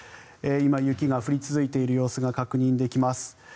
今、雪が降り続いている様子が確認できます。